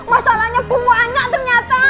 masalahnya bunga anak ternyata